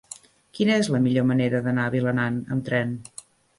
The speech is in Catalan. Quina és la millor manera d'anar a Vilanant amb tren?